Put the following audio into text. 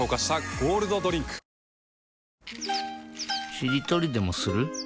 しりとりでもする？